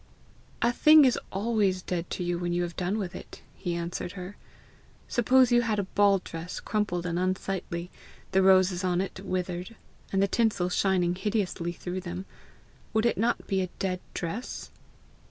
A thing is always dead to you when you have done with it," he answered her. "Suppose you had a ball dress crumpled and unsightly the roses on it withered, and the tinsel shining hideously through them would it not be a dead dress?"